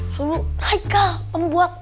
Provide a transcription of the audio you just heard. suruh michael pembuat